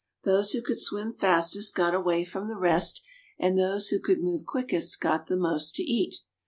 Those who could swim fastest got away from the rest, and those who could move quickest got the most to eat.